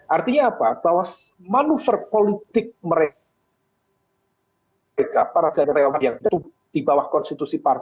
artinya apa bahwa manuver politik mereka para dari relawan yang duduk di bawah konstitusi partai